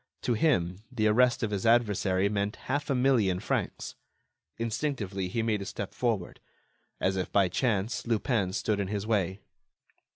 To him, the arrest of his adversary meant half a million francs. Instinctively, he made a step forward. As if by chance, Lupin stood in his way.